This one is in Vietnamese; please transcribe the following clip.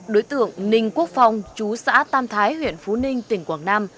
đối tượng ninh quốc phong chú xã tam thái huyện phú ninh tỉnh quảng nam